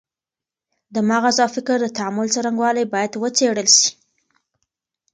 د مغز او فکر د تعامل څرنګوالی باید وڅېړل سي.